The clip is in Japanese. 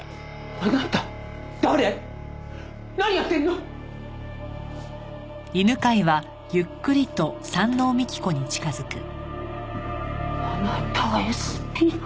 あなたはＳＰの。